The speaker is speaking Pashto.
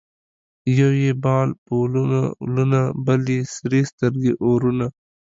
یو یې بال په ولونه ولونه ـ بل یې سرې سترګې اورونه